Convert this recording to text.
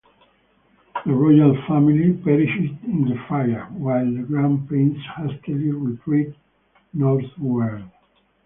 The royal family perished in the fire, while the grand prince hastily retreated northward.